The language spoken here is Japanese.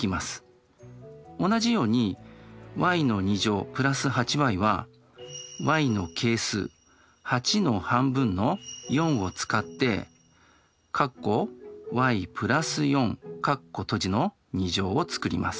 同じようにｙ＋８ｙはｙの係数８の半分の４を使ってを作ります。